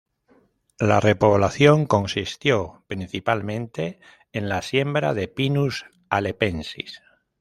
La repoblación consistió principalmente en la siembra de "Pinus halepensis".